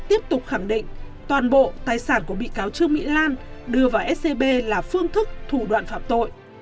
tiếp tục khẳng định toàn bộ tài sản của bị cáo trương mỹ lan đưa vào scb là phương thức thủ đoạn phạm tội